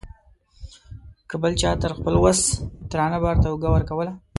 که به چا تر خپل وس درانه بار ته اوږه ورکوله.